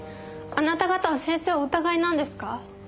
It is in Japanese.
あなた方は先生をお疑いなんですか？